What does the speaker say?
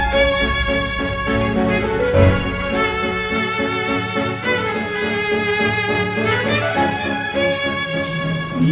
ndik tuh reina mah